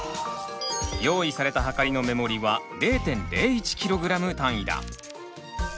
用意されたはかりの目盛りは０．０１キログラム単位だ。